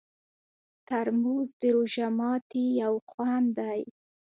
ترموز د روژه ماتي یو خوند دی.